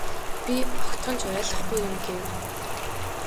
Би огтхон ч ойлгохгүй юм гэв.